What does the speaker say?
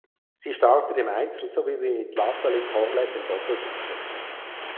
Sie startet im Einzel sowie mit Natalie Corless im Doppelsitzer.